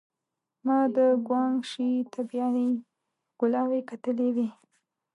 ما د ګوانګ شي طبيعي ښکلاوې کتلې وې.